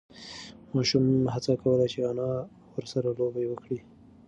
ماشوم هڅه کوله چې انا ورسره لوبه وکړي.